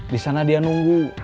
di sana dia nunggu